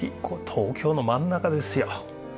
東京の真ん中ですよ。